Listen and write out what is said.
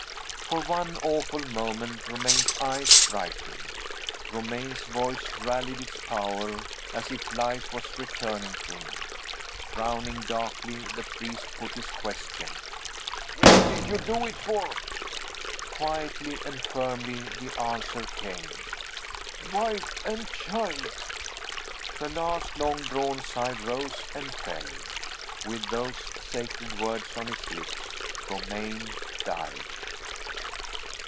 For one awful moment Romayne's eyes brightened, Romayne's voice rallied its power, as if life was returning to him. Frowning darkly, the priest put his question. "What did you do it for?" Quietly and firmly the answer came: "Wife and child." The last long drawn sigh rose and fell. With those sacred words on his lips, Romayne died.